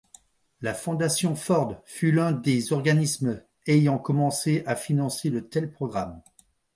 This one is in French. La Fondation Ford fut l'un des organismes ayant commencé à financer de tels programmes.